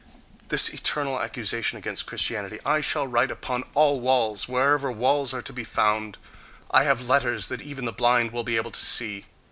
This eternal accusation against Christianity I shall write upon all walls, wherever walls are to be found—I have letters that even the blind will be able to see....